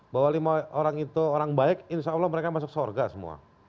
bahwa lima orang itu orang baik insya allah mereka masuk surga semua